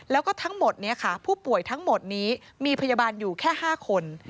แล้วก็ทั้งหมดนี้ค่ะผู้ป่วยทั้งหมดนี้มีพยาบาลอยู่แค่๕คน